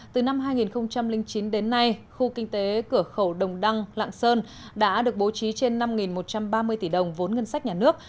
từ năm hai nghìn chín đến nay khu kinh tế cửa khẩu đồng đăng lạng sơn đã được bố trí trên năm một trăm ba mươi tỷ đồng vốn ngân sách nhà nước